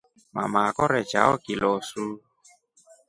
Mama akore chao kilosu.